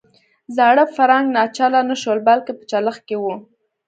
زاړه فرانک ناچله نه شول بلکې په چلښت کې وو.